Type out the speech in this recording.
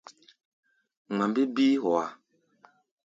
Ŋma mbé bíí hɔá.